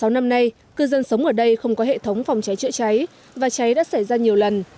sáu năm nay cư dân sống ở đây không có hệ thống phòng cháy chữa cháy và cháy đã xảy ra nhiều lần